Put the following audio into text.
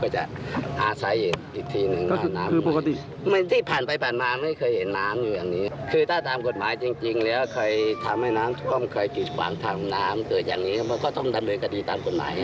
อย่างนี้ก็ก็ต้องเจ็บใจตั้งกฎหมายค่ะ